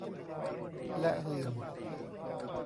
และหื่น